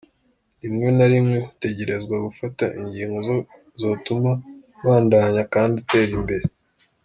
Rimwe na rimwe utegerezwa gufata ingingo zotuma ubandanya kandi utera imbere.